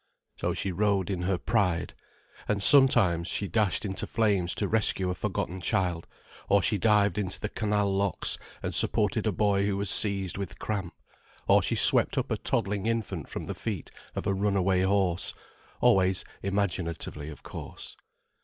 So she rode in her pride. And sometimes, she dashed into flames to rescue a forgotten child; or she dived into the canal locks and supported a boy who was seized with cramp; or she swept up a toddling infant from the feet of a runaway horse: always imaginatively, of course.